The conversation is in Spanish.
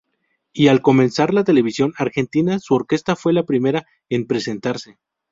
Y al comenzar la televisión argentina su orquesta fue la primera en presentarse.